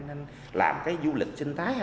anh làm cái du lịch sinh thái